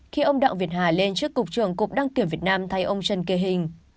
khi ông đặng việt hà lên trước cục trưởng cục đăng kiểm việt nam thay ông trần kỳ hình